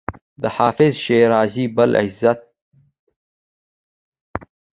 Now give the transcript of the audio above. د حافظ شیرازي بل غزل د پښتو نظم مثال نه لري.